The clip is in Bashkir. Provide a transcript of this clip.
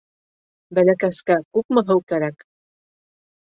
Бәләкәскә күпме һыу кәрәк?